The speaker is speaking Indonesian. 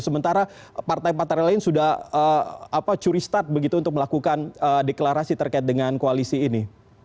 sementara partai partai lain sudah curi start begitu untuk melakukan deklarasi terkait dengan koalisi ini